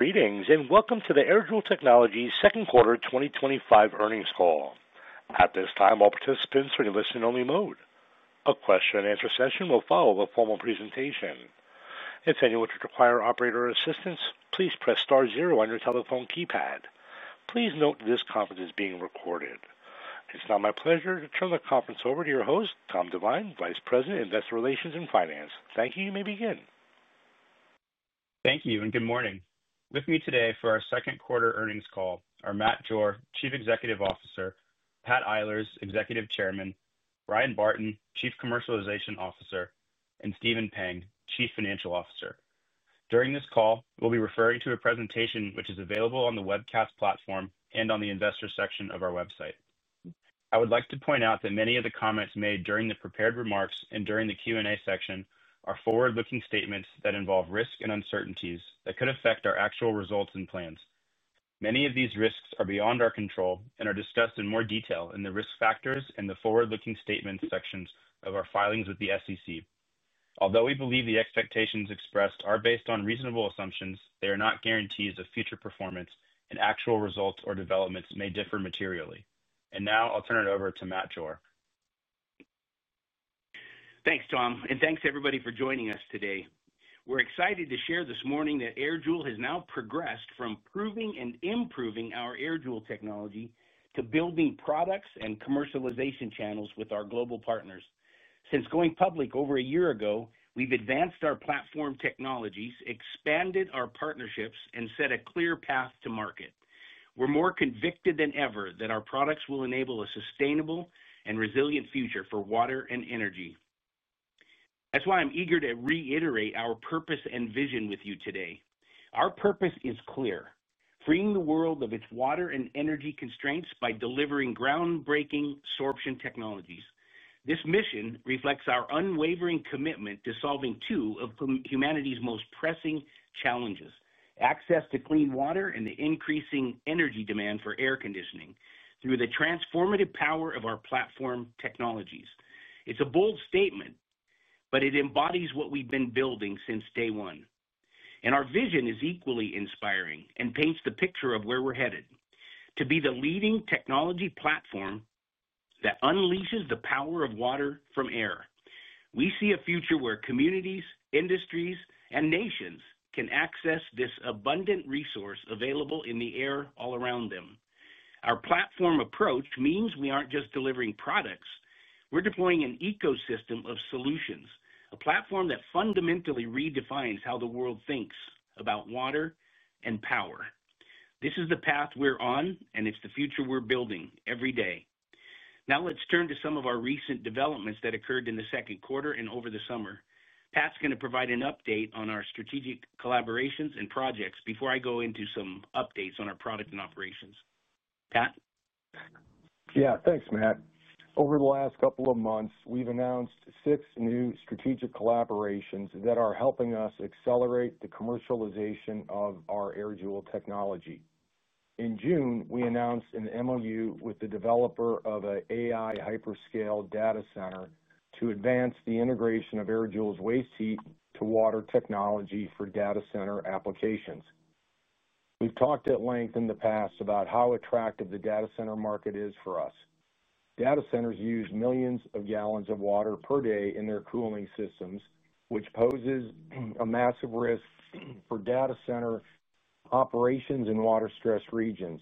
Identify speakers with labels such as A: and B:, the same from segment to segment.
A: Greetings and welcome to the AirJoule Technologies Second Quarter 2025 Earnings Call. At this time, all participants are in a listen-only mode. A question and answer session will follow a formal presentation. If anyone should require operator assistance, please press star zero on your telephone keypad. Please note this conference is being recorded. It's now my pleasure to turn the conference over to your host, Tom Divine, Vice President, Investor Relations and Finance. Thank you. You may begin.
B: Thank you and good morning. With me today for our second quarter earnings call are Matt Jore, Chief Executive Officer, Pat Eilers, Executive Chairman, Bryan Barton, Chief Commercialization Officer, and Stephen Pang, Chief Financial Officer. During this call, we'll be referring to a presentation which is available on the webcast platform and on the Investor section of our website. I would like to point out that many of the comments made during the prepared remarks and during the Q&A section are forward-looking statements that involve risk and uncertainties that could affect our actual results and plans. Many of these risks are beyond our control and are discussed in more detail in the Risk Factors and the Forward Looking Statements sections of our filings with the SEC. Although we believe the expectations expressed are based on reasonable assumptions, they are not guarantees of future performance, and actual results or developments may differ materially. Now I'll turn it over to Matt Jore.
C: Thanks, Tom, and thanks everybody for joining us today. We're excited to share this morning that AirJoule has now progressed from proving and improving our AirJoule technology to building products and commercialization channels with our global partners. Since going public over a year ago, we've advanced our platform technologies, expanded our partnerships, and set a clear path to market. We're more convicted than ever that our products will enable a sustainable and resilient future for water and energy. That's why I'm eager to reiterate our purpose and vision with you today. Our purpose is clear: freeing the world of its water and energy constraints by delivering groundbreaking sorption technologies. This mission reflects our unwavering commitment to solving two of humanity's most pressing challenges: access to clean water and the increasing energy demand for air conditioning through the transformative power of our platform technologies. It's a bold statement, but it embodies what we've been building since day one. Our vision is equally inspiring and paints the picture of where we're headed: to be the leading technology platform that unleashes the power of water from air. We see a future where communities, industries, and nations can access this abundant resource available in the air all around them. Our platform approach means we aren't just delivering products, we're deploying an ecosystem of solutions, a platform that fundamentally redefines how the world thinks about water and power. This is the path we're on, and it's the future we're building every day. Now let's turn to some of our recent developments that occurred in the second quarter and over the summer. Pat's going to provide an update on our strategic collaborations and projects before I go into some updates on our product and operations. Pat?
D: Yeah, thanks, Matt. Over the last couple of months, we've announced six new strategic collaborations that are helping us accelerate the commercialization of our AirJoule technology. In June, we announced an MOU with the developer of an AI hyperscale data center to advance the integration of AirJoule's waste heat-to-water technology for data center applications. We've talked at length in the past about how attractive the data center market is for us. Data centers use millions of gallons of water per day in their cooling systems, which poses a massive risk for data center operations in water-stressed regions.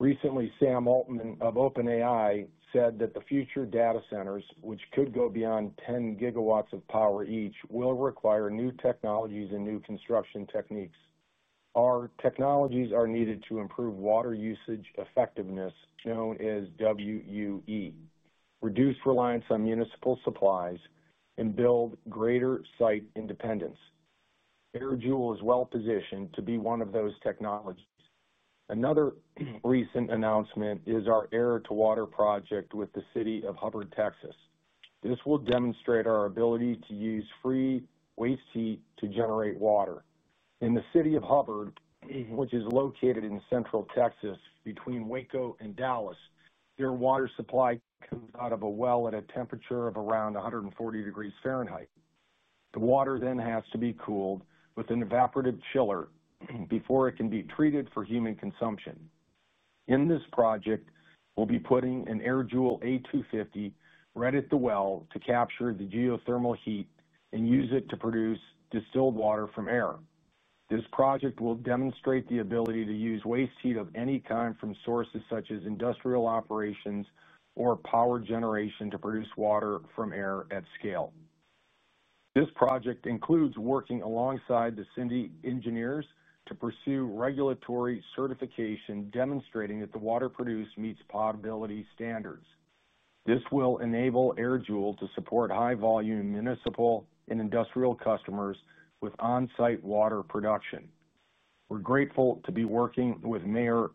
D: Recently, Sam Altman of OpenAI said that the future data centers, which could go beyond 10 GW of power each, will require new technologies and new construction techniques. Our technologies are needed to improve water usage effectiveness, known as WUE, reduce reliance on municipal supplies, and build greater site independence. AirJoule is well positioned to be one of those technologies. Another recent announcement is our air-to-water project with the city of Hubbard, Texas. This will demonstrate our ability to use free waste heat to generate water. In the city of Hubbard, which is located in central Texas between Waco and Dallas, their water supply comes out of a well at a temperature of around 140 degrees Fahrenheit. The water then has to be cooled with an evaporative chiller before it can be treated for human consumption. In this project, we'll be putting an AirJoule A250 right at the well to capture the geothermal heat and use it to produce distilled water from air. This project will demonstrate the ability to use waste heat of any kind from sources such as industrial operations or power generation to produce water from air at scale. This project includes working alongside the Sindi engineers to pursue regulatory certification demonstrating that the water produced meets potability standards. This will enable AirJoule to support high-volume municipal and industrial customers with on-site water production. We're grateful to be working with Mayor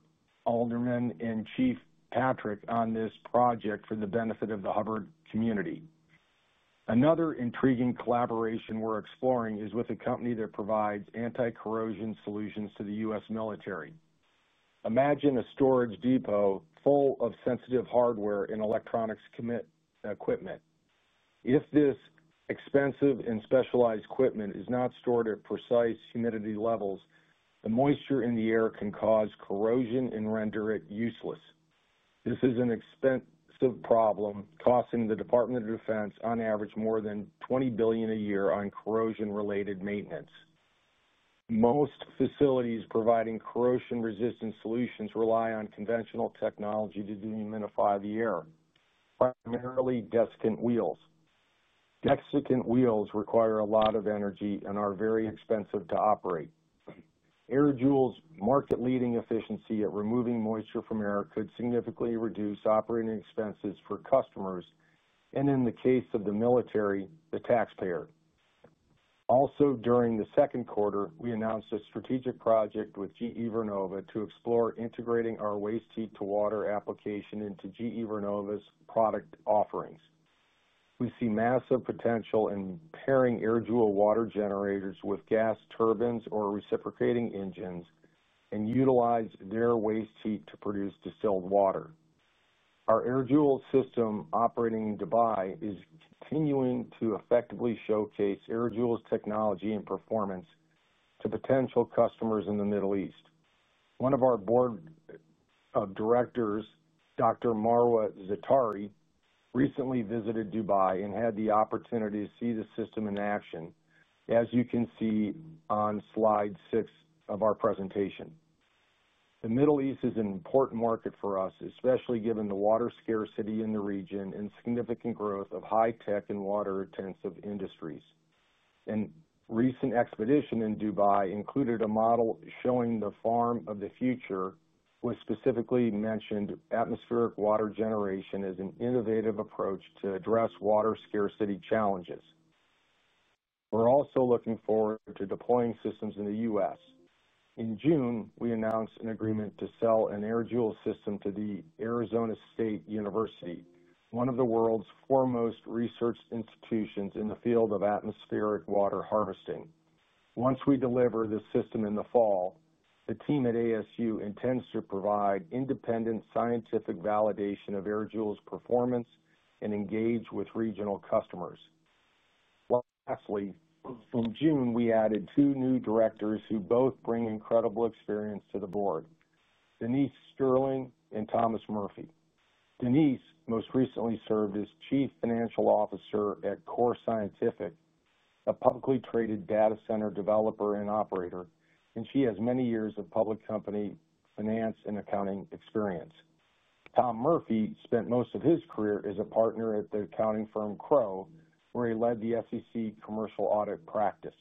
D: Alderman and Chief Patrick on this project for the benefit of the Hubbard community. Another intriguing collaboration we're exploring is with a company that provides anti-corrosion solutions to the US military. Imagine a storage depot full of sensitive hardware and electronics equipment. If this expensive and specialized equipment is not stored at precise humidity levels, the moisture in the air can cause corrosion and render it useless. This is an expensive problem, costing the Department of Defense on average more than $20 billion a year on corrosion-related maintenance. Most facilities providing corrosion-resistant solutions rely on conventional technology to dehumidify the air, primarily desiccant wheel dehumidifiers. Desiccant wheel dehumidifiers require a lot of energy and are very expensive to operate. AirJoule's market-leading efficiency at removing moisture from air could significantly reduce operating expenses for customers and, in the case of the military, the taxpayer. Also, during the second quarter, we announced a strategic project with GE Vernova to explore integrating our waste heat-to-water solutions into GE Vernova's product offerings. We see massive potential in pairing AirJoule water generators with gas turbines or reciprocating engines and utilize their waste heat to produce distilled water. Our AirJoule system operating in Dubai is continuing to effectively showcase AirJoule technology and performance to potential customers in the Middle East. One of our board of directors, Dr. Marwa Zatari, recently visited Dubai and had the opportunity to see the system in action, as you can see on slide six of our presentation. The Middle East is an important market for us, especially given the water scarcity in the region and significant growth of high-tech and water-intensive industries. A recent expedition in Dubai included a model showing the farm of the future, which specifically mentioned atmospheric water harvesting as an innovative approach to address water scarcity challenges. We're also looking forward to deploying systems in the U.S. In June, we announced an agreement to sell an AirJoule system to Arizona State University, one of the world's foremost research institutions in the field of atmospheric water harvesting. Once we deliver the system in the fall, the team at ASU intends to provide independent scientific validation of AirJoule's performance and engage with regional customers. Lastly, in June, we added two new directors who both bring incredible experience to the board: Denise Sterling and Thomas Murphy. Denise most recently served as Chief Financial Officer at Core Scientific, a publicly traded data center developer and operator, and she has many years of public company finance and accounting experience. Thomas Murphy spent most of his career as a partner at the accounting firm Crowe, where he led the SEC commercial audit practice.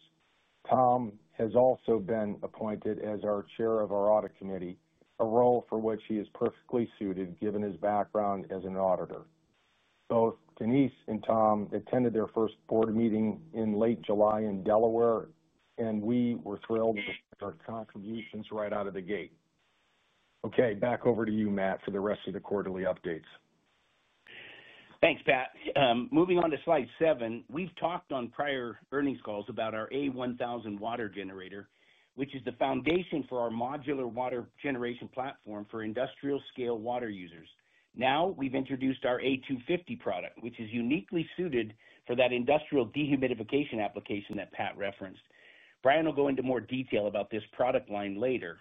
D: Thomas has also been appointed as our Chair of our Audit Committee, a role for which he is perfectly suited given his background as an auditor. Both Denise and Thomas attended their first board meeting in late July in Delaware, and we were thrilled with their contributions right out of the gate. Okay, back over to you, Matt, for the rest of the quarterly updates.
C: Thanks, Pat. Moving on to slide seven, we've talked on prior earnings calls about our A1000 water generator, which is the foundation for our modular water generation platform for industrial-scale water users. Now we've introduced our A250 product, which is uniquely suited for that industrial dehumidification application that Pat referenced. Bryan will go into more detail about this product line later.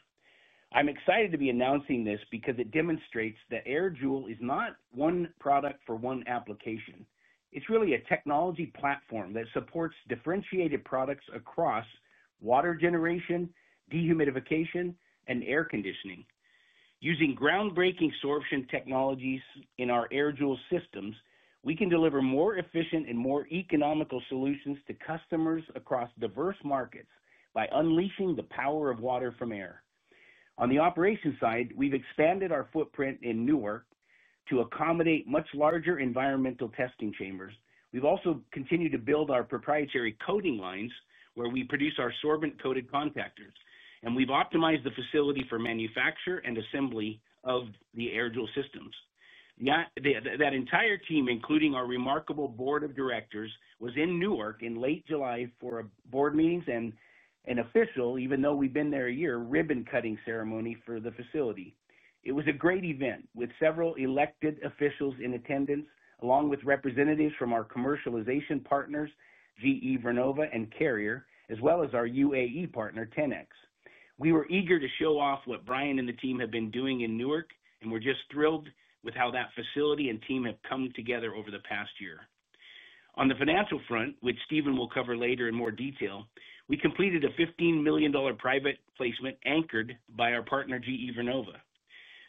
C: I'm excited to be announcing this because it demonstrates that AirJoule is not one product for one application. It's really a technology platform that supports differentiated products across water generation, dehumidification, and air conditioning. Using groundbreaking sorption technologies in our AirJoule systems, we can deliver more efficient and more economical solutions to customers across diverse markets by unleashing the power of water from air. On the operations side, we've expanded our footprint in Newark to accommodate much larger environmental testing chambers. We've also continued to build our proprietary coating lines where we produce our sorbent-coated contactors, and we've optimized the facility for manufacture and assembly of the AirJoule systems. That entire team, including our remarkable Board of Directors, was in Newark in late July for board meetings and an official, even though we'd been there a year, ribbon-cutting ceremony for the facility. It was a great event with several elected officials in attendance, along with representatives from our commercialization partners, GE Vernova and Carrier, as well as our UAE partner, TenX. We were eager to show off what Bryan and the team have been doing in Newark, and we're just thrilled with how that facility and team have come together over the past year. On the financial front, which Stephen will cover later in more detail, we completed a $15 million private placement anchored by our partner, GE Vernova.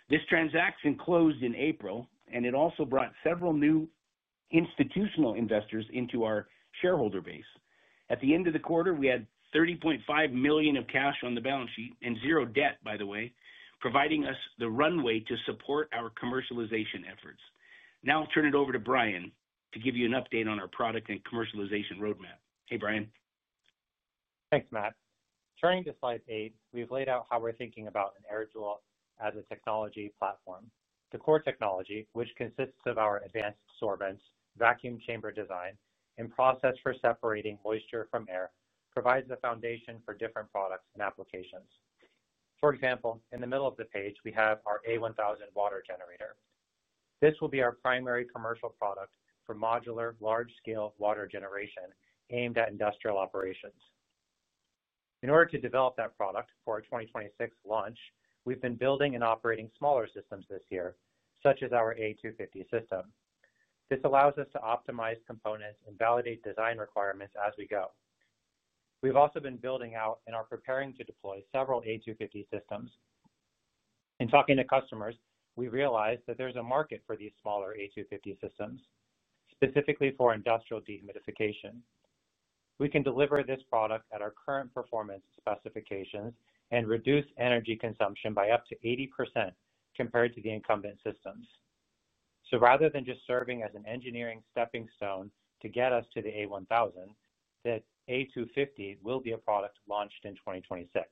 C: This transaction closed in April, and it also brought several new institutional investors into our shareholder base. At the end of the quarter, we had $30.5 million of cash on the balance sheet and zero debt, by the way, providing us the runway to support our commercialization efforts. Now I'll turn it over to Bryan to give you an update on our product and commercialization roadmap. Hey, Bryan.
E: Thanks, Matt. Turning to slide eight, we've laid out how we're thinking about an AirJoule as a technology platform. The core technology, which consists of our advanced sorbents, vacuum chamber design, and process for separating moisture from air, provides the foundation for different products and applications. For example, in the middle of the page, we have our A1000 water generator. This will be our primary commercial product for modular, large-scale water generation aimed at industrial operations. In order to develop that product for our 2026 launch, we've been building and operating smaller systems this year, such as our A250 system. This allows us to optimize components and validate design requirements as we go. We've also been building out and are preparing to deploy several A250 systems. In talking to customers, we realized that there's a market for these smaller A250 systems, specifically for industrial dehumidification. We can deliver this product at our current performance specifications and reduce energy consumption by up to 80% compared to the incumbent systems. Rather than just serving as an engineering stepping stone to get us to the A1000, the A250 will be a product launched in 2026.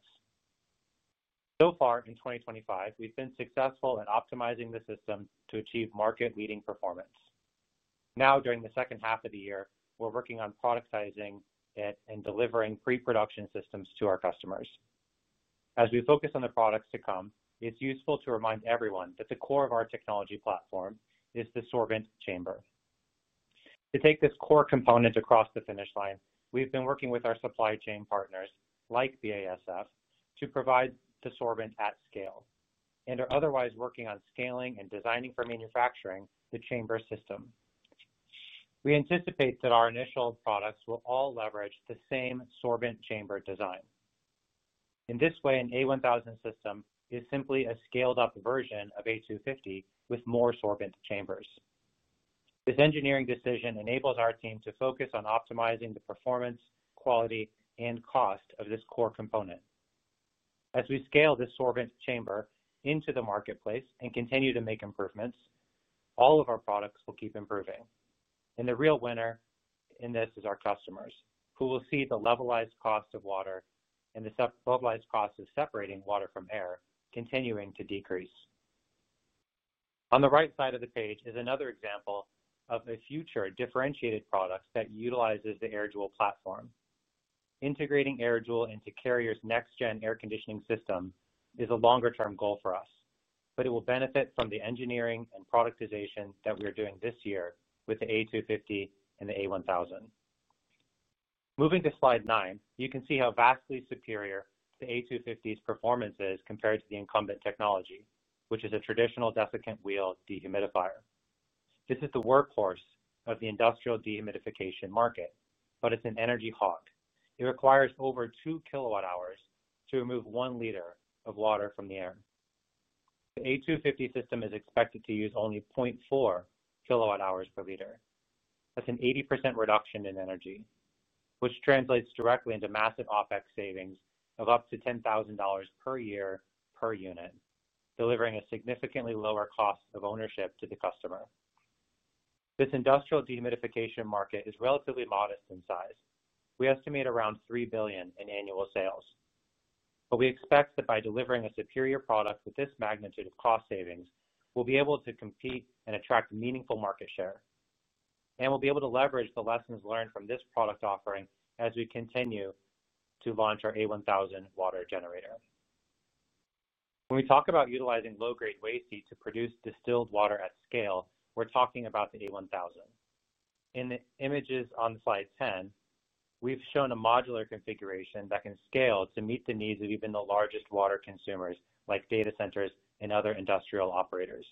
E: So far, in 2025, we've been successful at optimizing the system to achieve market-leading performance. Now, during the second half of the year, we're working on productizing and delivering pre-production systems to our customers. As we focus on the products to come, it's useful to remind everyone that the core of our technology platform is the sorbent chamber. To take this core component across the finish line, we've been working with our supply chain partners, like BASF, to provide the sorbent at scale and are otherwise working on scaling and designing for manufacturing the chamber system. We anticipate that our initial products will all leverage the same sorbent chamber design. In this way, an A1000 system is simply a scaled-up version of A250 with more sorbent chambers. This engineering decision enables our team to focus on optimizing the performance, quality, and cost of this core component. As we scale this sorbent chamber into the marketplace and continue to make improvements, all of our products will keep improving. The real winner in this is our customers, who will see the levelized cost of water and the levelized cost of separating water from air continuing to decrease. On the right side of the page is another example of a future differentiated product that utilizes the AirJoule platform. Integrating AirJoule into Carrier's next-gen air conditioning system is a longer-term goal for us, but it will benefit from the engineering and productization that we are doing this year with the A250 and the A1000. Moving to slide nine, you can see how vastly superior the A250's performance is compared to the incumbent technology, which is a traditional desiccant wheel dehumidifier. This is the workhorse of the industrial dehumidification market, but it's an energy hog. It requires over 2 kWh to remove 1 liter of water from the air. The A250 system is expected to use only 0.4 kWh per liter. That's an 80% reduction in energy, which translates directly into massive OpEx savings of up to $10,000 per year per unit, delivering a significantly lower cost of ownership to the customer. This industrial dehumidification market is relatively modest in size. We estimate around $3 billion in annual sales. We expect that by delivering a superior product with this magnitude of cost savings, we'll be able to compete and attract meaningful market share. We'll be able to leverage the lessons learned from this product offering as we continue to launch our A1000 water generator. When we talk about utilizing low-grade waste heat to produce distilled water at scale, we're talking about the A1000. In the images on slide 10, we've shown a modular configuration that can scale to meet the needs of even the largest water consumers like data centers and other industrial operators.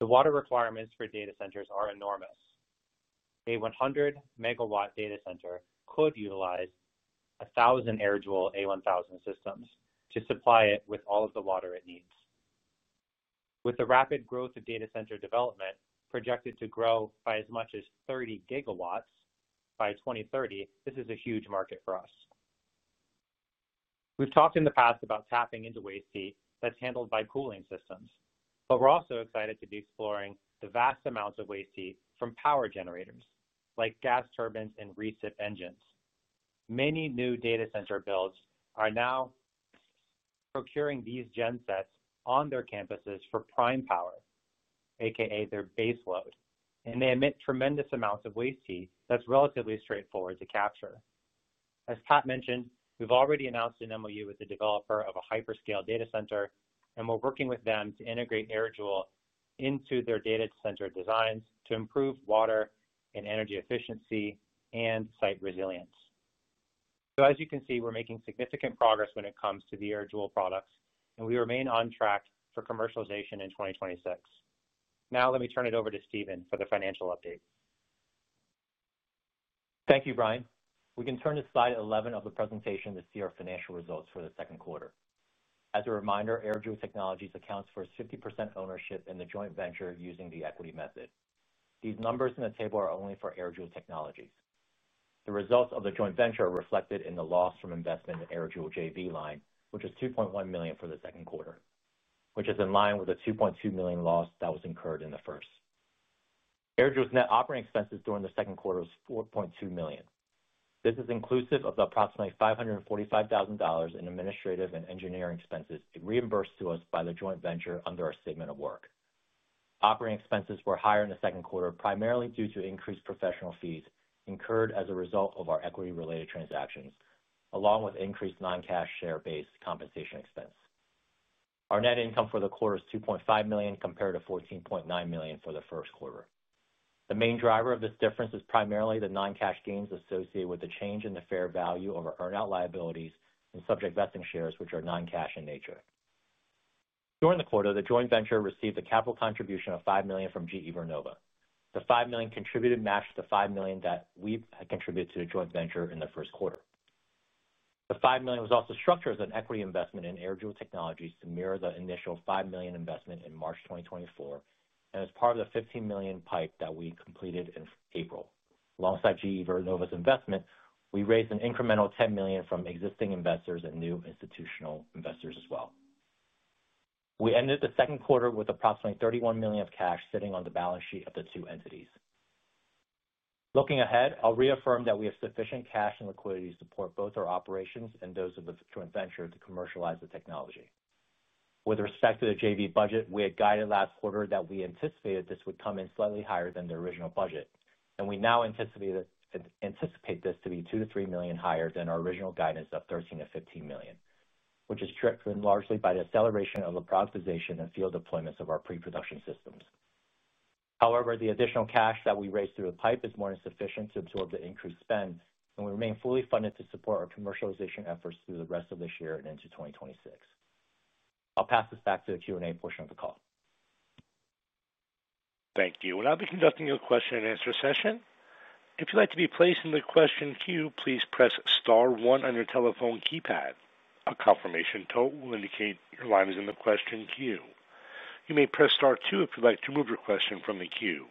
E: The water requirements for data centers are enormous. A 100-MW data center could utilize 1,000 AirJoule A1000 systems to supply it with all of the water it needs. With the rapid growth of data center development projected to grow by as much as 30 GW by 2030, this is a huge market for us. We've talked in the past about tapping into waste heat that's handled by cooling systems, but we're also excited to be exploring the vast amounts of waste heat from power generators like gas turbines and reciprocating engines. Many new data center builds are now procuring these gen sets on their campuses for prime power, a.k.a. their base load, and they emit tremendous amounts of waste heat that's relatively straightforward to capture. As Pat mentioned, we've already announced an MOU with the developer of a hyperscale data center, and we're working with them to integrate AirJoule into their data center designs to improve water and energy efficiency and site resilience. As you can see, we're making significant progress when it comes to the AirJoule products, and we remain on track for commercialization in 2026. Now, let me turn it over to Stephen for the financial update.
F: Thank you, Bryan. We can turn to slide 11 of the presentation to see our financial results for the second quarter. As a reminder, AirJoule Technologies accounts for its 50% ownership in the joint venture using the equity method. These numbers in the table are only for AirJoule Technologies. The results of the joint venture are reflected in the loss from investment in the AirJoule JV line, which is $2.1 million for the second quarter, which is in line with the $2.2 million loss that was incurred in the first. AirJoule's net operating expenses during the second quarter were $4.2 million. This is inclusive of the approximately $545,000 in administrative and engineering expenses reimbursed to us by the joint venture under our statement of work. Operating expenses were higher in the second quarter, primarily due to increased professional fees incurred as a result of our equity-related transactions, along with increased non-cash share-based compensation expense. Our net income for the quarter is $2.5 million compared to $14.9 million for the First Quarter. The main driver of this difference is primarily the non-cash gains associated with the change in the fair value of our earnout liabilities and subject vesting shares, which are non-cash in nature. During the quarter, the joint venture received a capital contribution of $5 million from GE Vernova. The $5 million contributed matched the $5 million that we contributed to the joint venture in the First Quarter. The $5 million was also structured as an equity investment in AirJoule Technologies to mirror the initial $5 million investment in March 2024 and as part of the $15 million pipe that we completed in April. Alongside GE Vernova's investment, we raised an incremental $10 million from existing investors and new institutional investors as well. We ended the second quarter with approximately $31 million of cash sitting on the balance sheet of the two entities. Looking ahead, I'll reaffirm that we have sufficient cash and liquidity to support both our operations and those of the joint venture to commercialize the technology. With respect to the JV budget, we had guided last quarter that we anticipated this would come in slightly higher than the original budget, and we now anticipate this to be $2 million to $3 million higher than our original guidance of $13 million to $15 million, which is driven largely by the acceleration of the productization and field deployments of our pre-production systems. However, the additional cash that we raised through the pipe is more than sufficient to absorb the increased spend, and we remain fully funded to support our commercialization efforts through the rest of this year and into 2026. I'll pass this back to the Q&A portion of the call.
A: Thank you. We'll now be conducting a question and answer session. If you'd like to be placed in the question queue, please press star one on your telephone keypad. A confirmation tone will indicate your line is in the question queue. You may press star two if you'd like to remove your question from the queue.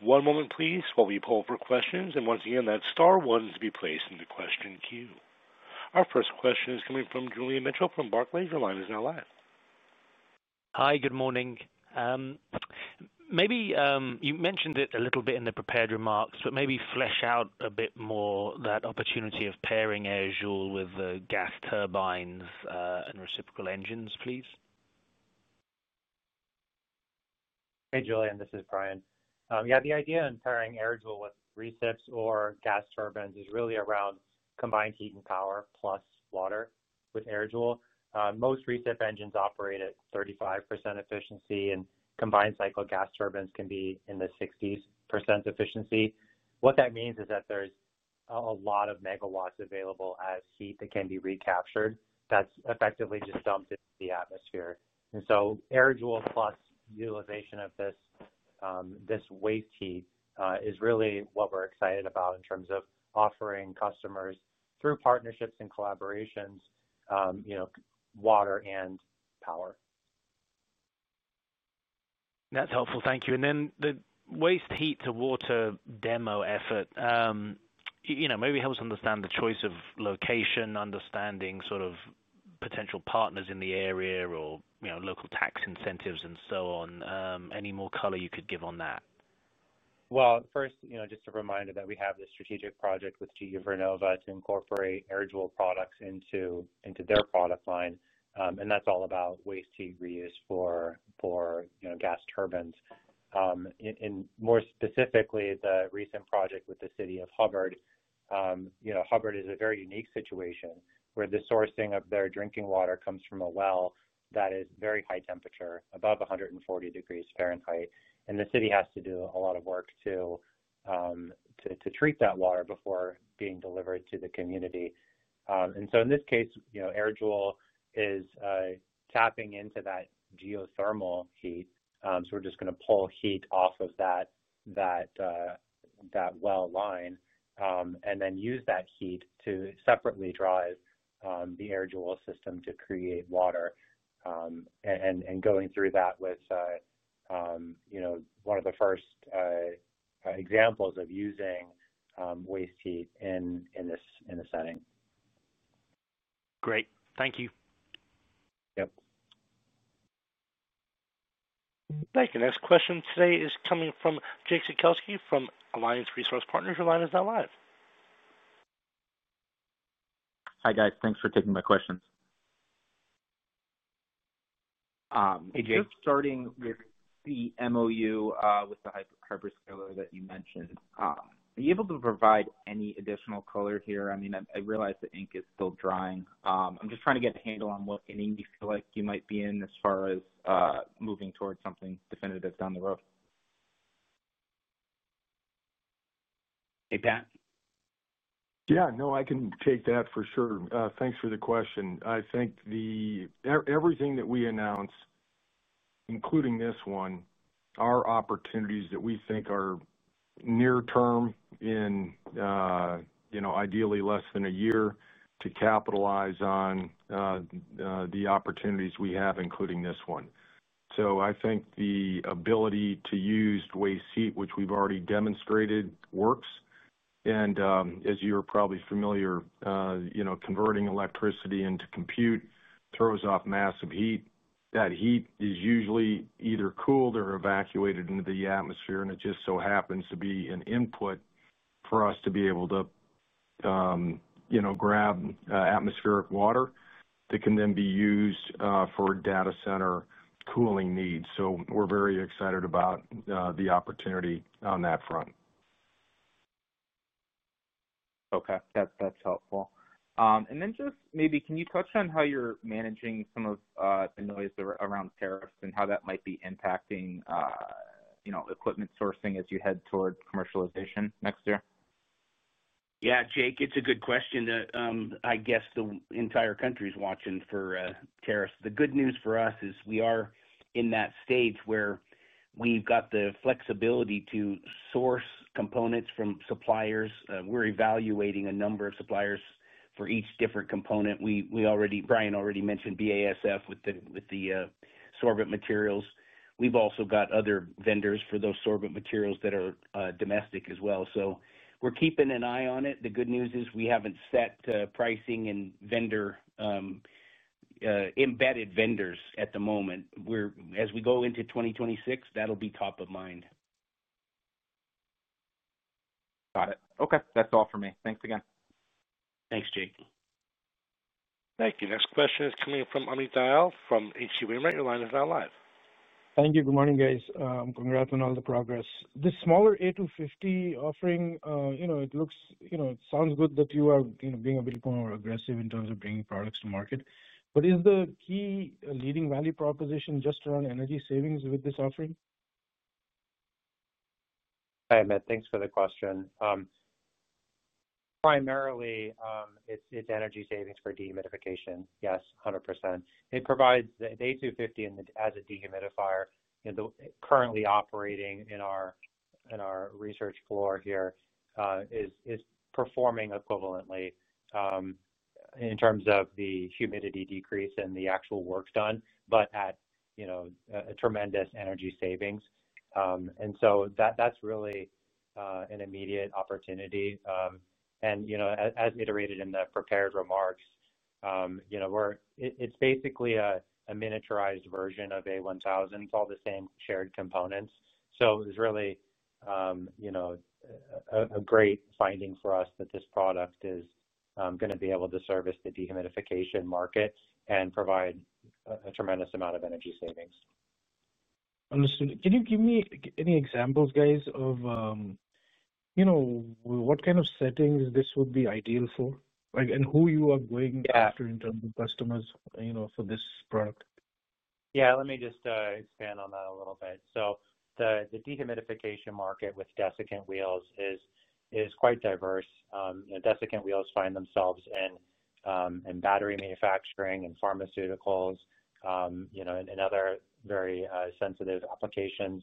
A: One moment, please, while we poll for questions, and once again, that's star one to be placed in the question queue. Our first question is coming from Julian Mitchell from Barclays. Your line is now live.
G: Hi, good morning. Maybe you mentioned it a little bit in the prepared remarks, but maybe flesh out a bit more that opportunity of pairing AirJoule with gas turbines and reciprocating engines, please.
E: Hey, Julian, this is Bryan. Yeah, the idea in pairing AirJoule with resips or gas turbines is really around combined heat and power plus water with AirJoule. Most resip engines operate at 35% efficiency, and combined cycle gas turbines can be in the 60% efficiency. What that means is that there's a lot of megawatts available as heat that can be recaptured that's effectively just dumped into the atmosphere. AirJoule plus utilization of this waste heat is really what we're excited about in terms of offering customers through partnerships and collaborations, you know, water and power.
G: That's helpful, thank you. The waste heat-to-water demo effort, maybe help us understand the choice of location, understanding sort of potential partners in the area or local tax incentives and so on. Any more color you could give on that?
E: First, just a reminder that we have this strategic project with GE Vernova to incorporate AirJoule products into their product line, and that's all about waste heat reuse for gas turbines. More specifically, the recent project with the city of Hubbard. Hubbard is a very unique situation where the sourcing of their drinking water comes from a well that is very high temperature, above 140 degrees Fahrenheit, and the city has to do a lot of work to treat that water before being delivered to the community. In this case, AirJoule is tapping into that geothermal heat. We're just going to pull heat off of that well line and then use that heat to separately drive the AirJoule system to create water. Going through that is one of the first examples of using waste heat in this setting.
G: Great, thank you.
E: Yeah.
A: Thank you. Next question today is coming from Jake Zekauski from Alliance Resource Partners. Your line is now live.
H: Hi guys, thanks for taking my questions.
E: Hey Jake.
H: Just starting with the memorandum of understanding with the hyperscaler that you mentioned. Are you able to provide any additional color here? I mean, I realize the ink is still drying. I'm just trying to get a handle on what ink you feel like you might be in as far as moving towards something definitive down the road.
C: Hey Pat.
D: Yeah, no, I can take that for sure. Thanks for the question. I think everything that we announce, including this one, are opportunities that we think are near-term in, you know, ideally less than a year to capitalize on the opportunities we have, including this one. I think the ability to use waste heat, which we've already demonstrated, works. As you're probably familiar, converting electricity into compute throws off massive heat. That heat is usually either cooled or evacuated into the atmosphere, and it just so happens to be an input for us to be able to, you know, grab atmospheric water that can then be used for data center cooling needs. We're very excited about the opportunity on that front.
H: Okay, that's helpful. Maybe can you touch on how you're managing some of the noise around tariffs and how that might be impacting, you know, equipment sourcing as you head toward commercialization next year?
C: Yeah, Jake, it's a good question. I guess the entire country is watching for tariffs. The good news for us is we are in that stage where we've got the flexibility to source components from suppliers. We're evaluating a number of suppliers for each different component. Bryan already mentioned BASF with the sorbent materials. We've also got other vendors for those sorbent materials that are domestic as well. We're keeping an eye on it. The good news is we haven't set pricing and vendor embedded vendors at the moment. As we go into 2026, that'll be top of mind.
H: Got it. Okay, that's all for me. Thanks again.
C: Thanks, Jake.
A: Thank you. Next question is coming from Amit Dayal from H.C. Wainwright. Your line is now live.
I: Thank you. Good morning, guys. Congrats on all the progress. This smaller A250 offering, it looks, it sounds good that you are being a bit more aggressive in terms of bringing products to market. Is the key leading value proposition just around energy savings with this offering?
E: Hi Amit, thanks for the question. Primarily, it's energy savings for dehumidification. Yes, 100%. It provides the A250 as a dehumidifier. The currently operating in our research floor here is performing equivalently in terms of the humidity decrease and the actual work done, but at a tremendous energy savings. That is really an immediate opportunity. As iterated in the prepared remarks, it's basically a miniaturized version of A1000. It's all the same shared components. It was really a great finding for us that this product is going to be able to service the dehumidification market and provide a tremendous amount of energy savings.
I: Understood. Can you give me any examples of what kind of settings this would be ideal for, and who you are going after in terms of customers for this product?
E: Yeah, let me just expand on that a little bit. The dehumidification market with desiccant wheel dehumidifiers is quite diverse. Desiccant wheel dehumidifiers find themselves in battery manufacturing and pharmaceuticals, you know, and other very sensitive applications.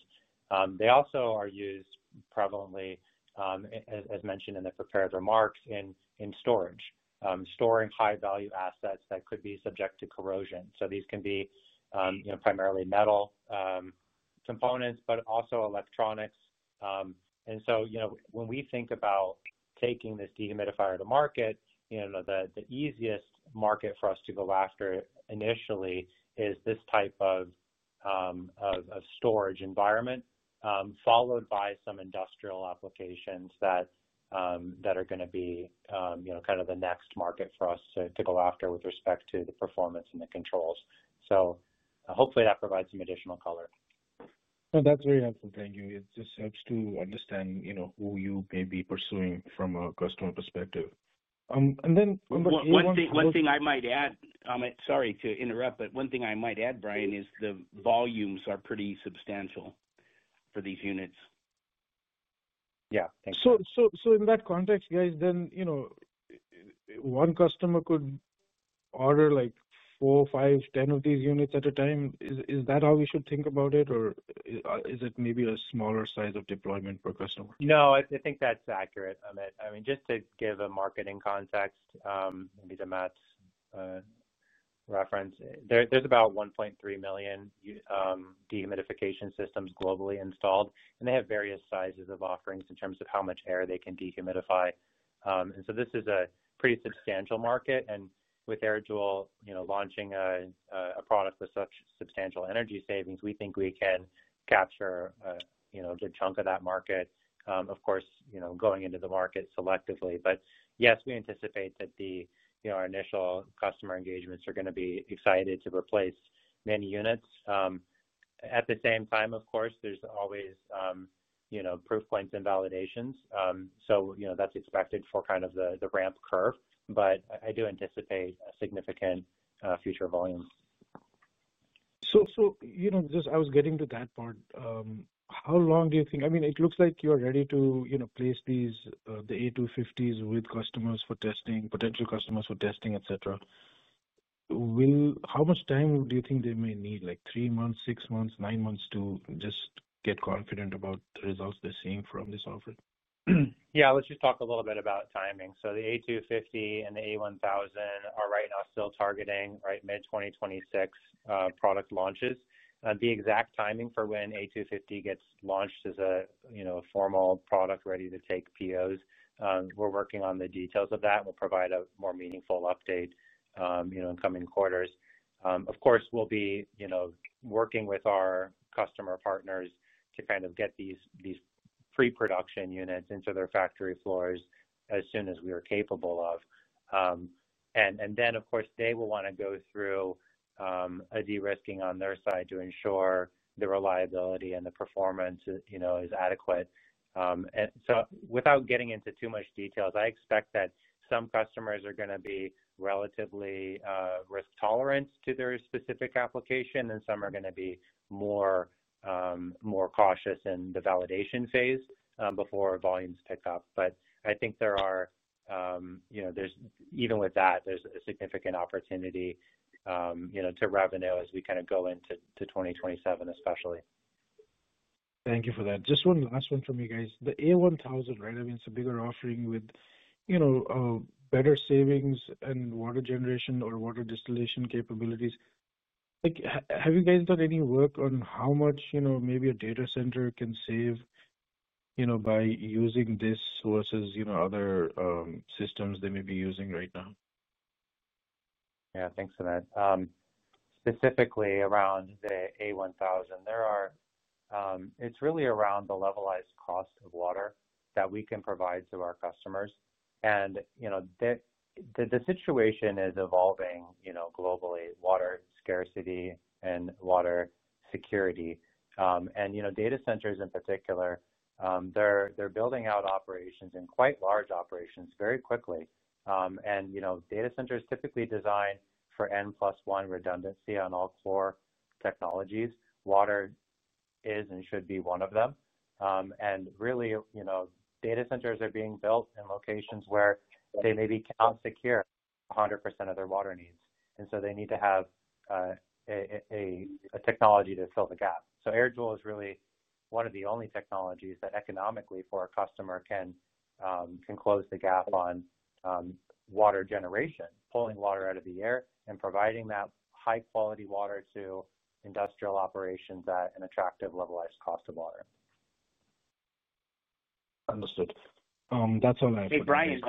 E: They also are used prevalently, as mentioned in the prepared remarks, in storage, storing high-value assets that could be subject to corrosion. These can be primarily metal components, but also electronics. When we think about taking this dehumidifier to market, the easiest market for us to go after initially is this type of storage environment, followed by some industrial applications that are going to be the next market for us to go after with respect to the performance and the controls. Hopefully that provides some additional color.
I: No, that's very helpful. Thank you. It just helps to understand, you know, who you may be pursuing from a customer perspective.
C: One thing I might add, Amit, sorry to interrupt, but one thing I might add, Bryan, is the volumes are pretty substantial for these units.
I: Thank you. In that context, guys, you know, one customer could order like four, five, ten of these units at a time. Is that how we should think about it, or is it maybe a smaller size of deployment per customer?
E: No, I think that's accurate, Amit. I mean, just to give a marketing context, maybe to Matt's reference, there's about 1.3 million dehumidification systems globally installed, and they have various sizes of offerings in terms of how much air they can dehumidify. This is a pretty substantial market, and with AirJoule launching a product with such substantial energy savings, we think we can capture, you know, a good chunk of that market. Of course, going into the market selectively, but yes, we anticipate that our initial customer engagements are going to be excited to replace many units. At the same time, of course, there's always proof points and validations. That's expected for kind of the ramp curve, but I do anticipate significant future volumes.
I: I was getting to that part. How long do you think, I mean, it looks like you are ready to place these, the A250s with customers for testing, potential customers for testing, etc. How much time do you think they may need, like three months, six months, nine months to just get confident about the results they're seeing from this offer?
E: Let's just talk a little bit about timing. The A250 and the A1000 are right now still targeting mid-2026 product launches. The exact timing for when A250 gets launched as a formal product ready to take POs, we're working on the details of that, and we'll provide a more meaningful update in coming quarters. Of course, we'll be working with our customer partners to get these pre-production units into their factory floors as soon as we are capable of. They will want to go through a de-risking on their side to ensure the reliability and the performance is adequate. Without getting into too much detail, I expect that some customers are going to be relatively risk tolerant to their specific application, and some are going to be more cautious in the validation phase before volumes pick up. I think even with that, there's a significant opportunity to revenue as we go into 2027, especially.
I: Thank you for that. Just one last one from you guys. The A1000, right? I mean, it's a bigger offering with, you know, better savings and water generation or water distillation capabilities. Have you guys done any work on how much, you know, maybe a data center can save, you know, by using this versus, you know, other systems they may be using right now?
E: Yeah, thanks for that. Specifically around the A1000, it's really around the levelized cost of water that we can provide to our customers. The situation is evolving globally, water scarcity and water security. Data centers in particular, they're building out operations and quite large operations very quickly. Data centers typically design for N plus one redundancy on all core technologies. Water is and should be one of them. Data centers are being built in locations where they maybe cannot secure 100% of their water needs, and they need to have a technology to fill the gap. AirJoule is really one of the only technologies that economically for a customer can close the gap on water generation, pulling water out of the air, and providing that high-quality water to industrial operations at an attractive levelized cost of water.
I: Understood. That's all I have.
C: Bryan,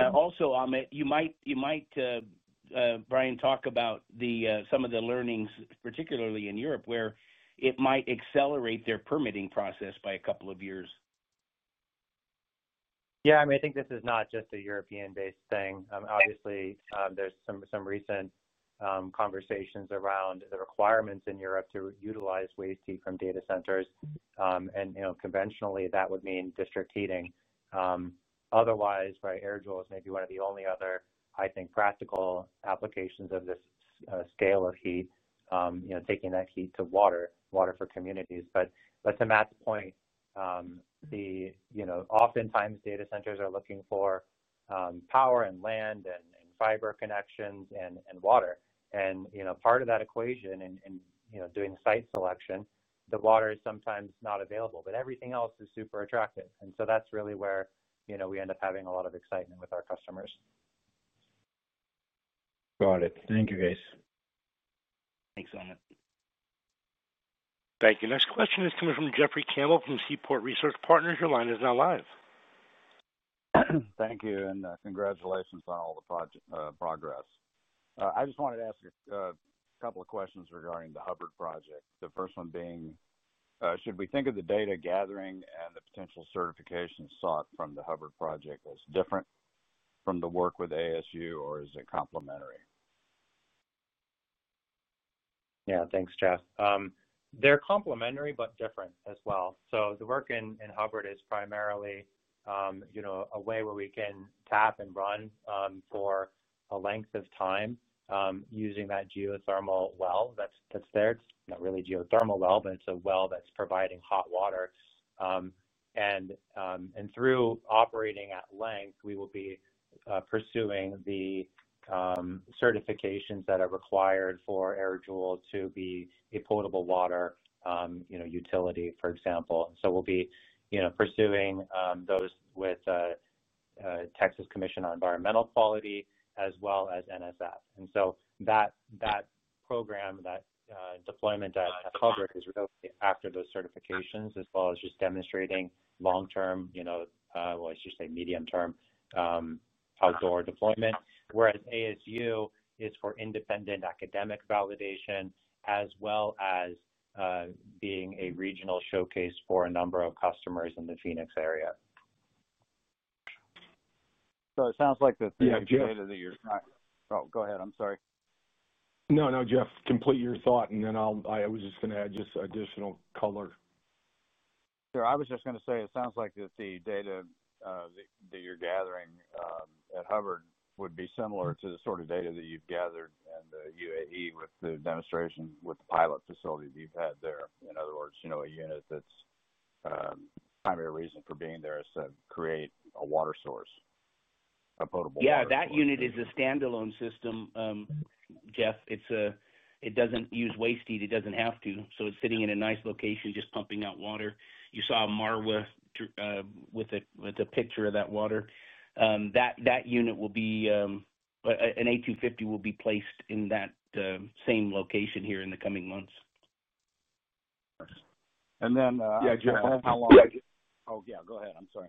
C: you might talk about some of the learnings, particularly in Europe, where it might accelerate their permitting process by a couple of years.
E: Yeah, I mean, I think this is not just a European-based thing. Obviously, there's some recent conversations around the requirements in Europe to utilize waste heat from data centers. Conventionally, that would mean district heating. Otherwise, AirJoule is maybe one of the only other, I think, practical applications of this scale of heat, you know, taking that heat to water, water for communities. To Matt's point, oftentimes data centers are looking for power and land and fiber connections and water. Part of that equation in doing site selection, the water is sometimes not available, but everything else is super attractive. That's really where we end up having a lot of excitement with our customers.
I: Got it. Thank you, guys.
E: Thanks, Amit.
A: Thank you. Next question is coming from Jeffrey Campbell from Seaport Research Partners. Your line is now live.
J: Thank you, and congratulations on all the project progress. I just wanted to ask a couple of questions regarding the Hubbard project. The first one being, should we think of the data gathering and the potential certifications sought from the Hubbard project as different from the work with ASU, or is it complementary?
E: Yeah, thanks, Jeff. They're complementary, but different as well. The work in Hubbard is primarily a way where we can tap and run for a length of time using that geothermal well that's there. It's not really a geothermal well, but it's a well that's providing hot water. Through operating at length, we will be pursuing the certifications that are required for AirJoule to be a potable water utility, for example. We'll be pursuing those with the Texas Commission on Environmental Quality as well as NSF. That program, that deployment at Hubbard, is really after those certifications, as well as just demonstrating long-term, I should say medium-term, outdoor deployment, whereas ASU is for independent academic validation, as well as being a regional showcase for a number of customers in the Phoenix area.
J: It sounds like the data that you're trying—oh, go ahead, I'm sorry.
D: No, no, Jeff, complete your thought, and then I was just going to add just additional color.
J: Sure, I was just going to say it sounds like the data that you're gathering at Hubbard would be similar to the sort of data that you've gathered in the UAE with the demonstration with the pilot facility that you've had there. In other words, you know, a unit that's the primary reason for being there is to create a water source, a potable water.
C: Yeah, that unit is a standalone system, Jeff. It doesn't use waste heat; it doesn't have to. It's sitting in a nice location, just pumping out water. You saw Marwa with a picture of that water. That unit will be—an A250 will be placed in that same location here in the coming months.
J: Yeah, Jeff, how long—oh, yeah, go ahead, I'm sorry.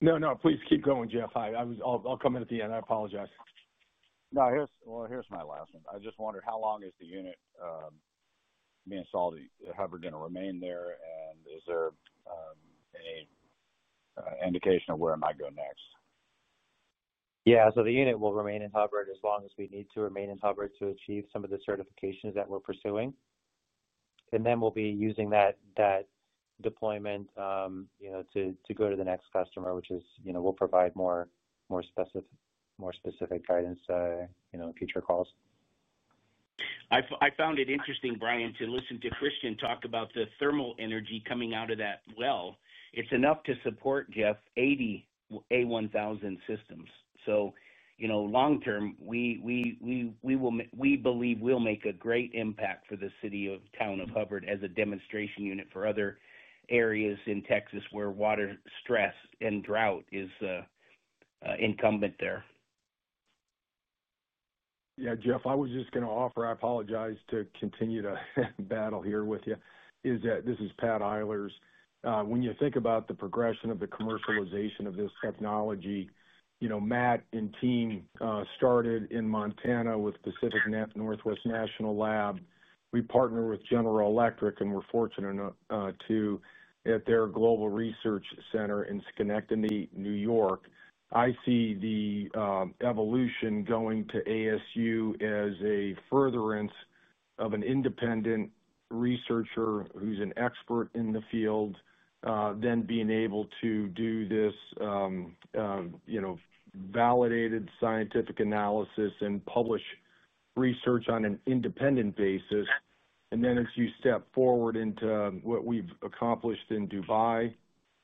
D: No, please keep going, Jeff. I was—I’ll come in at the end, I apologize.
J: Here's my last one. I just wondered, how long is the unit being installed at Hubbard going to remain there, and is there any indication of where it might go next?
E: Yeah, the unit will remain in Hubbard as long as we need to remain in Hubbard to achieve some of the certifications that we're pursuing. We'll be using that deployment to go to the next customer, which is, we'll provide more specific guidance in future calls.
C: I found it interesting, Bryan, to listen to Christian talk about the thermal energy coming out of that well. It's enough to support, Jeff, 80 A1000 systems. Long term, we believe we'll make a great impact for the city of Hubbard as a demonstration unit for other areas in Texas where water stress and drought is incumbent there.
D: Yeah, Jeff, I was just going to offer, I apologize to continue to battle here with you, this is Pat Eilers. When you think about the progression of the commercialization of this technology, you know, Matt and team started in Montana with Pacific Northwest National Lab. We partner with General Electric, and we're fortunate enough to, at their global research center in Schenectady, New York. I see the evolution going to ASU as a furtherance of an independent researcher who's an expert in the field, then being able to do this validated scientific analysis and publish research on an independent basis. As you step forward into what we've accomplished in Dubai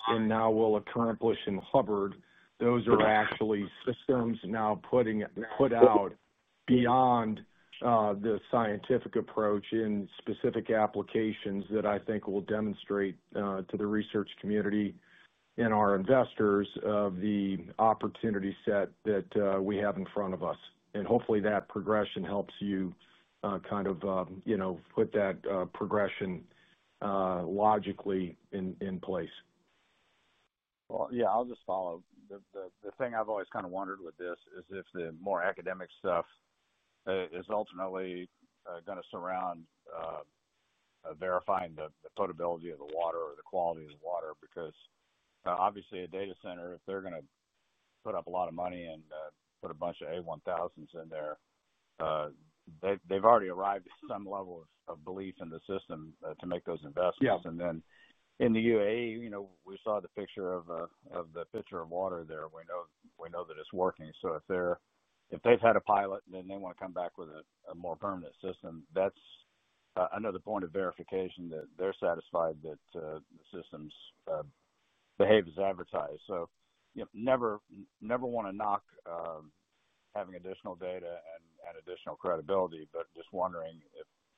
D: and now will accomplish in Hubbard, those are actually systems now put out beyond the scientific approach in specific applications that I think will demonstrate to the research community and our investors the opportunity set that we have in front of us. Hopefully that progression helps you kind of put that progression logically in place.
J: I've always kind of wondered with this if the more academic stuff is ultimately going to surround verifying the potability of the water or the quality of the water, because obviously a data center, if they're going to put up a lot of money and put a bunch of A1000s in there, they've already arrived at some level of belief in the system to make those investments. In the UAE, we saw the picture of water there. We know that it's working. If they've had a pilot and then they want to come back with a more permanent system, that's another point of verification that they're satisfied that the systems behave as advertised. You never want to knock having additional data and additional credibility, but just wondering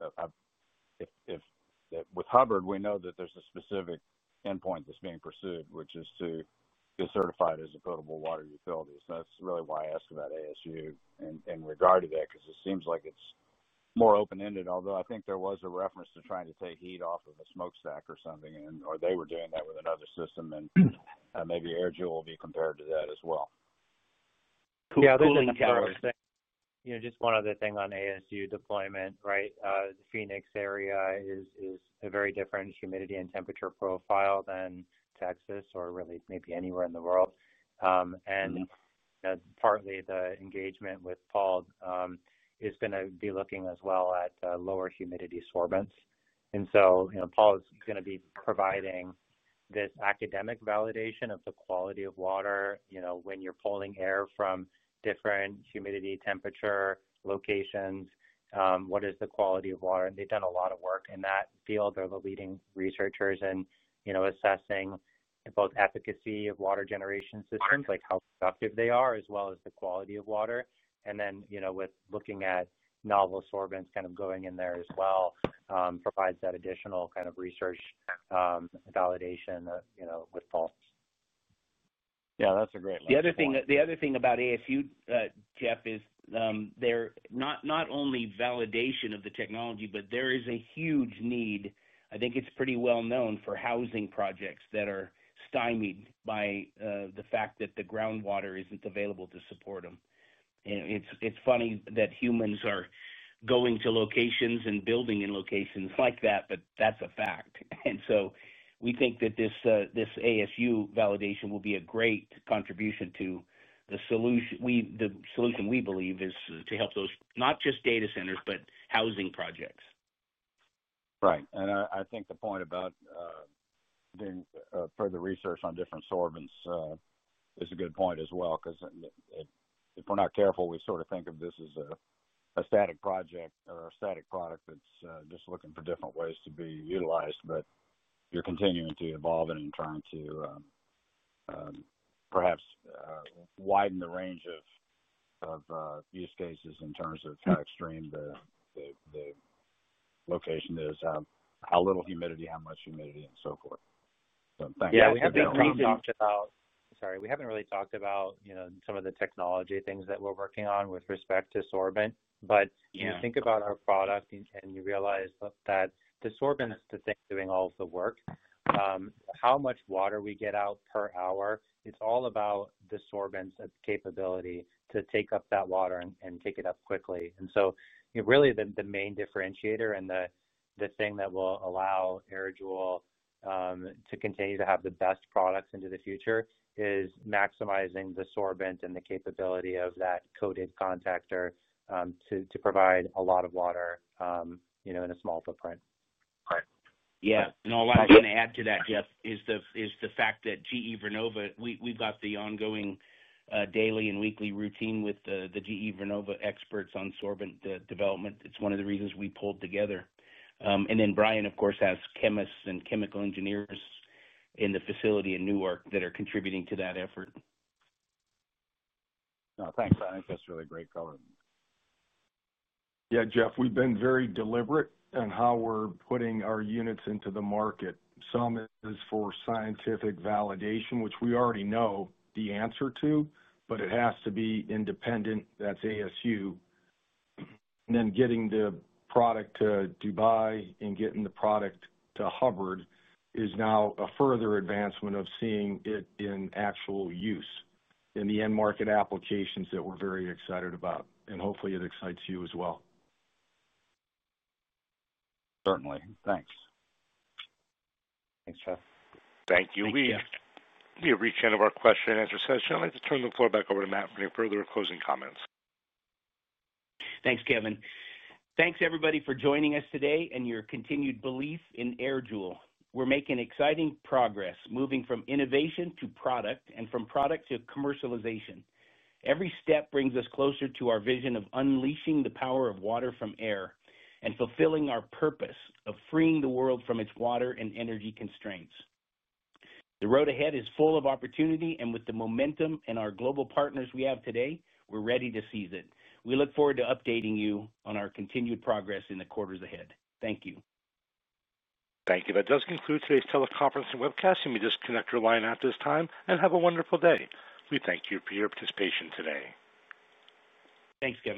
J: if with Hubbard we know that there's a specific endpoint that's being pursued, which is to be certified as a potable water utility. That's really why I asked about ASU in regard to that, because it seems like it's more open-ended, although I think there was a reference to trying to take heat off of a smokestack or something, and then they were doing that with another system, and maybe AirJoule will be compared to that as well.
E: Yeah, there's another thing, just one other thing on the ASU deployment, right? The Phoenix area is a very different humidity and temperature profile than Texas or really maybe anywhere in the world. Partly the engagement with Paul is going to be looking as well at lower humidity sorbents. Paul is going to be providing this academic validation of the quality of water, you know, when you're pulling air from different humidity temperature locations, what is the quality of water? They've done a lot of work in that field. They're the leading researchers in assessing both efficacy of water generation systems, like how productive they are, as well as the quality of water. With looking at novel sorbents kind of going in there as well, it provides that additional kind of research validation with Paul.
J: Yeah, that's a great line.
C: The other thing about ASU, Jeff, is they're not only validation of the technology, but there is a huge need. I think it's pretty well known for housing projects that are stymied by the fact that the groundwater isn't available to support them. It's funny that humans are going to locations and building in locations like that, but that's a fact. We think that this ASU validation will be a great contribution to the solution. The solution we believe is to help those, not just data centers, but housing projects.
J: Right. I think the point about doing further research on different sorbents is a good point as well, because if we're not careful, we sort of think of this as a static project or a static product that's just looking for different ways to be utilized. You're continuing to evolve and trying to perhaps widen the range of use cases in terms of how extreme the location is, how little humidity, how much humidity, and so forth.
E: We haven't really talked about some of the technology things that we're working on with respect to sorbent. You think about our product and you realize that the sorbent's the thing doing all of the work. How much water we get out per hour, it's all about the sorbent's capability to take up that water and take it up quickly. The main differentiator and the thing that will allow AirJoule to continue to have the best products into the future is maximizing the sorbent and the capability of that coated contactor to provide a lot of water in a small footprint.
C: Right. Yeah, and all I can add to that, Jeff, is the fact that GE Vernova, we've got the ongoing daily and weekly routine with the GE Vernova experts on sorbent development. It's one of the reasons we pulled together. Bryan, of course, has chemists and chemical engineers in the facility in Newark that are contributing to that effort.
J: No, thanks, I think that's really great coverage.
D: Yeah, Jeff, we've been very deliberate in how we're putting our units into the market. Some is for scientific validation, which we already know the answer to, but it has to be independent. That's ASU. Getting the product to Dubai and getting the product to Hubbard is now a further advancement of seeing it in actual use in the end market applications that we're very excited about. Hopefully it excites you as well.
J: Certainly. Thanks.
E: Thanks, Jeff.
A: Thank you. We did reach the end of our question and answer session. Let's turn the floor back over to Matt for any further closing comments.
C: Thanks, Kevin. Thanks everybody for joining us today and your continued belief in AirJoule. We're making exciting progress moving from innovation to product and from product to commercialization. Every step brings us closer to our vision of unleashing the power of water from air and fulfilling our purpose of freeing the world from its water and energy constraints. The road ahead is full of opportunity, and with the momentum and our global partners we have today, we're ready to seize it. We look forward to updating you on our continued progress in the quarters ahead. Thank you.
A: Thank you. That does conclude today's teleconference and webcast. You may disconnect your line at this time and have a wonderful day. We thank you for your participation today.
C: Thanks, Kevin.